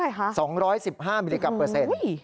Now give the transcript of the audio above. เท่าไหร่คะ๒๑๕มิลลิกรัมเปอร์เซ็นต์